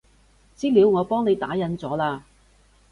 資料我幫你打印咗喇